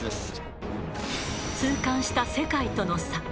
痛感した世界との差。